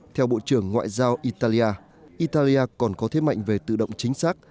theo bộ trưởng ngoại giao italia italia còn có thế mạnh về tự động chính xác